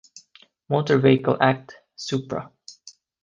Motor Vehicle Act, supra.